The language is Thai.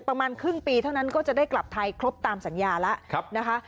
ประมาณครึ่งปีเท่านั้นก็จะได้กลับไทยครบตามสัญญาแล้วนะคะ